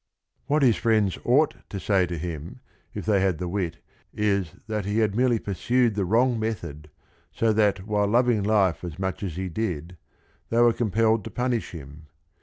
GUIDO 187 What his friends ought to say to him, if they had the wit, is, that he had merely pursued the wrong method, so that while loving life as much as he did, they were compelled to punish him.